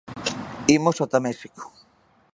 Imos ata México.